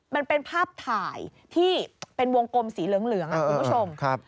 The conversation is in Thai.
มันเป็นภาพถ่ายที่เป็นวงกลมสีเหลืองคุณผู้ชม